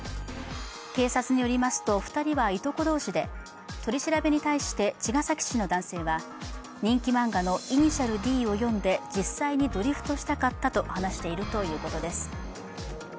警察によりますと、２人はいとこ同士で、取り調べに対して、茅ヶ崎市の男性は人気漫画の「頭文字Ｄ」を読んで実際にドリフトしたかったと話しているということです。